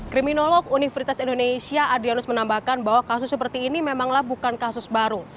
kriminolog universitas indonesia adrianus menambahkan bahwa kasus seperti ini memanglah bukan kasus baru